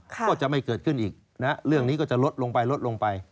ก็จะไม่เกิดขึ้นอีกเรื่องนี้ก็จะลดลงไปลดลงไป